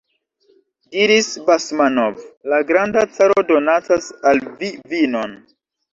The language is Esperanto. diris Basmanov: la granda caro donacas al vi vinon!